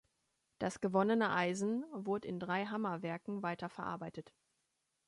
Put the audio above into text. Das gewonnene Eisen wurde in drei Hammerwerken weiter verarbeitet.